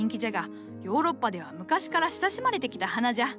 ヨーロッパでは昔から親しまれてきた花じゃ。